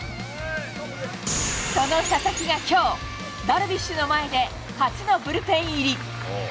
その佐々木がきょう、ダルビッシュの前で初のブルペン入り。